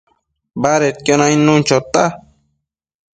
badedquio nainnu chota